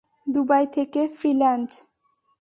Dubai থেকে freelance.